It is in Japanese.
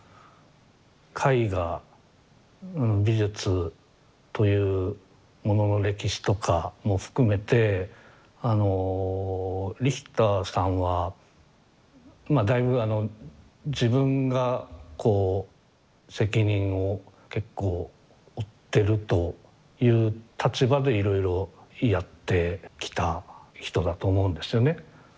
絵画美術というものの歴史とかも含めてリヒターさんはだいぶ自分がこう責任を結構負ってるという立場でいろいろやってきた人だと思うんですよね。